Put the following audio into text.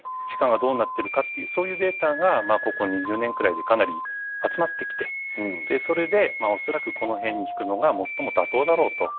地下がどうなってるかっていうそういうデータがここ２０年くらいでかなり集まってきてでそれで恐らくこの辺に引くのが最も妥当だろうと。